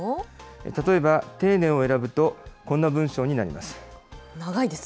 例えば、丁寧を選ぶとこんな文章になります。